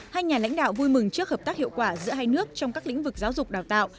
hai nhà lãnh đạo vui mừng trước hợp tác hiệu quả giữa hai nước trong các lĩnh vực giáo dục đào tạo